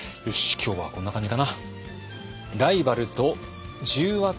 今日はこんな感じかな。